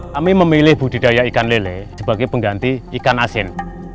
kami memilih budidaya ikan lele sebagai pengganti ikan asin